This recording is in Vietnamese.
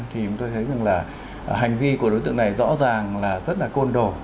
thì chúng tôi thấy rằng là hành vi của đối tượng này rõ ràng là rất là côn đồ